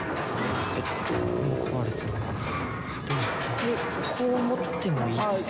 これこう持ってもいいですか？